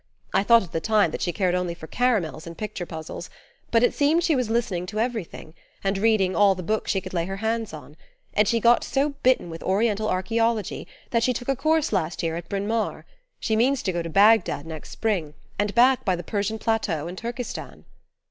I thought at the time that she cared only for caramels and picture puzzles, but it seems she was listening to everything, and reading all the books she could lay her hands on; and she got so bitten with Oriental archaeology that she took a course last year at Bryn Mawr. She means to go to Bagdad next spring, and back by the Persian plateau and Turkestan."